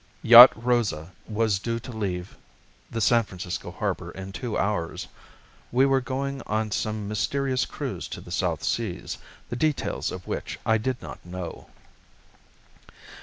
Yacht Rosa was due to leave the San Francisco harbor in two hours. We were going on some mysterious cruise to the South Seas, the details of which I did not know.